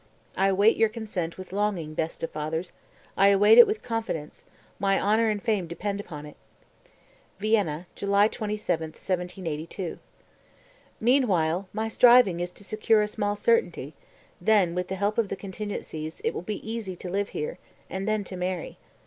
I await your consent with longing, best of fathers, I await it with confidence, my honor and fame depend upon it." (Vienna, July 27, 1782.) 238. "Meanwhile my striving is to secure a small certainty; then with the help of the contingencies, it will be easy to live here; and then to marry.